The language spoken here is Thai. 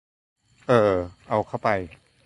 เออ เอาเข้าไป